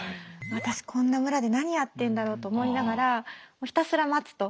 私こんな村で何やってんだろうと思いながらひたすら待つと。